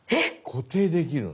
固定できるんだ。